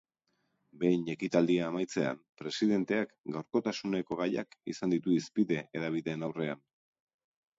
Behin ekitaldia amaitzean, presidenteak gaurkotasuneko gaiak izan ditu hizpide hedabideen aurrean.